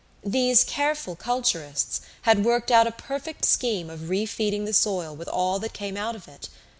These careful culturists had worked out a perfect scheme of refeeding the soil with all that came out of it.